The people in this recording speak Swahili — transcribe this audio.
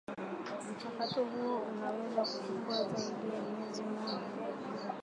mchakato huo unaweza kuchukua zaidi ya mwezi mmoja